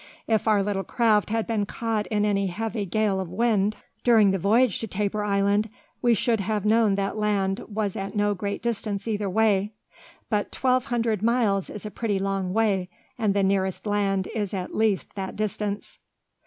If our little craft had been caught in any heavy gale of wind during the voyage to Tabor Island, we should have known that land was at no great distance either way; but twelve hundred miles is a pretty long way, and the nearest land is at least that distance!"